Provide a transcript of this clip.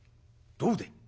どうでい？